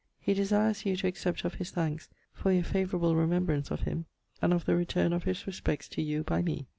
He desires you to accept of his thanks for your favourable remembrance of him, and of the returne of his respects to you by me.